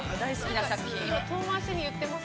◆なんか遠回しに言ってます？